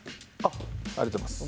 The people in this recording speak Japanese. ありがとうございます。